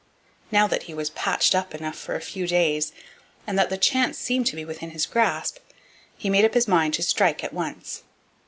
Now that he was 'patched up' enough for a few days, and that the chance seemed to be within his grasp, he made up his mind to strike at once.